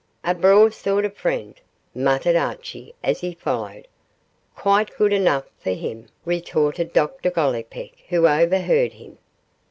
'A braw sort o' freend,' muttered Archie, as he followed. 'Quite good enough for him,' retorted Dr Gollipeck, who overheard him.